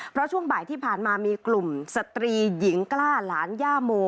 เพราะช่วงบ่ายที่ผ่านมามีกลุ่มสตรีหญิงกล้าหลานย่าโม